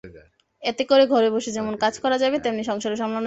এতে করে ঘরে বসে যেমন কাজ করা যাবে, তেমনি সংসারও সামলানো যাবে।